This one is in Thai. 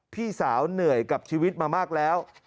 พี่สาวเหนื่อยกับชีวิตมามากแล้ว